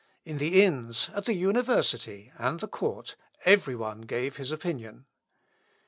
In the inns, at the university, and the court, every one gave his opinion.